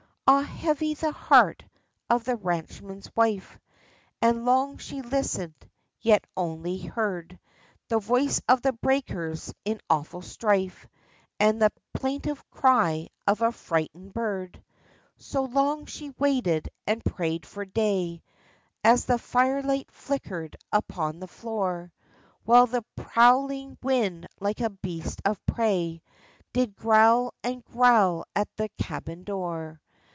Ah, heavy the heart of the ranchman's wife 1 And long she listened, yet only heard The voice of the breakers in awful strife And the plaintive cry of a frightened bird. WHY SANTA CLAUS FORGOT. 27 So long she waited and prayed for day As the firelight flickered upon the floor, While the prowling wind like a beast of prey Did growl and growl at the cabin door.